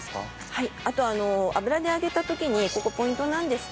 はい。